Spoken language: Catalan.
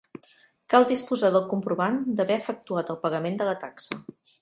Cal disposar del comprovant d'haver efectuat el pagament de la taxa.